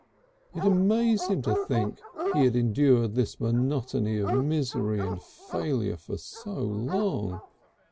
It amazed him to think he had endured his monotony of misery and failure for so long.